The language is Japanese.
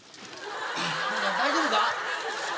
大丈夫か？